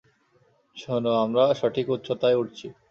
শোনো, আমরা সঠিক উচ্চতায় উড়ছি।